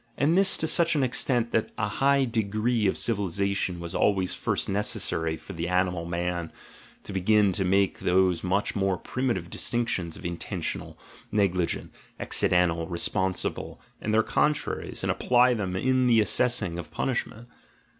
— And this to such an extent, that a high degree of civilisation was always first necessary for the animal man to begin to make those much more primitive dis tinctions of "intentional," "negligent," "accidental," "re sponsible," and their contraries, and apply them in the assessing of punishment.